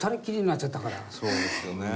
そうですよね。